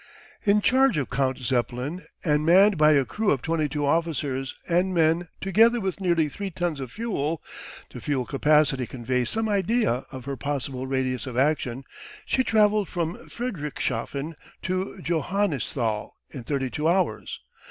In charge of Count Zeppelin and manned by a crew of 22 officers and men together with nearly three tons of fuel the fuel capacity conveys some idea of her possible radius of action she travelled from Friedrichshafen to Johannisthal in 32 hours.